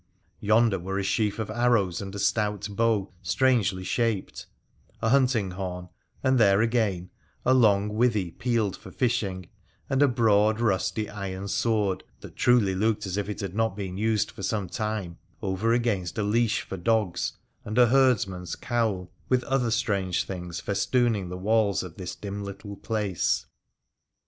Yonder were a sheaf of arrows and a stout bow strangely shaped, a hunting horn, and there again a long withy peeled for fishing, and a broad rusty iron sword (that truly looked as if it had not been used for Borne time) over against a leash for dogs, and a herdsman's 64 WONDERFUL ADVENTURES OF cowl, with other strange things festooning the walls of this dim little place.